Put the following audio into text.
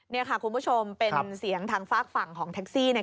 นี่ค่ะคุณผู้ชมเป็นเสียงทางฝากฝั่งของแท็กซี่เนี่ย